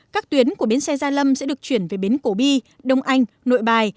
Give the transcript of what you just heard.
các tuyến của bến xe gia lâm sẽ được chuyển về bến cổ bi đông anh nội bài